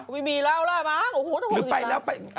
ไม่มีแล้วล่ะบ้างโอ้โฮทุกคน๑๐ล้าน